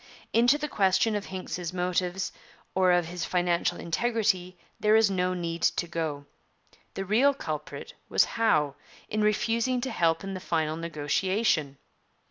Into the question of Hincks's motives or of his financial integrity there is no need to go. The real culprit was Howe, in refusing to help in the final negotiation.